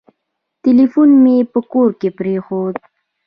ټلیفون مي په کور کي پرېښود .